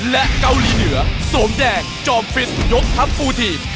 และเกาหลีเหนือโสมแดงจอมฟิตยกทัพปูทีม